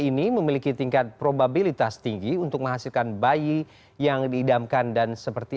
ini memiliki tingkat probabilitas tinggi untuk menghasilkan bayi yang diidamkan dan seperti